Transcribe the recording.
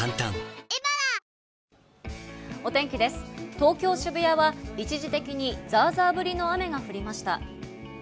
東京・渋谷は一時的にザーザー降りの雨が降りました。